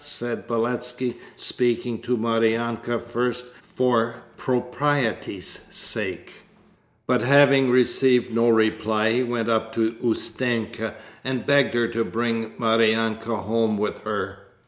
said Beletski, speaking to Maryanka first for propriety's sake, but having received no reply he went up to Ustenka and begged her to bring Maryanka home with her.